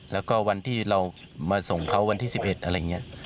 แล้วก็วันที่เรามาส่งเขาวันที่๑๑อะไรอย่างนี้